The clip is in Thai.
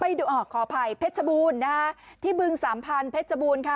ดูออกขออภัยเพชรบูรณ์นะคะที่บึงสามพันธุเพชรบูรณ์ค่ะ